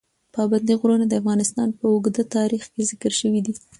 پابندی غرونه د افغانستان په اوږده تاریخ کې ذکر شوی دی.